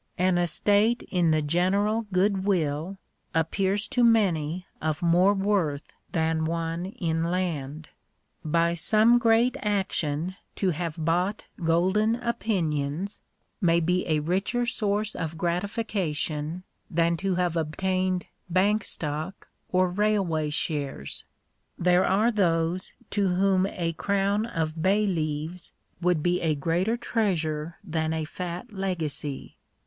An estate in the general good will, appears to many of more worth than one in land. By some great action to have Digitized by VjOOQIC 144 THE RIGHT OF PROPERTY IN CHARACTER. bought golden opinions, may be a richer source of gratification than to have obtained bank stock or railway shares. There are those to whom a crown of bay leaves would be a greater treasure than a fat legacy.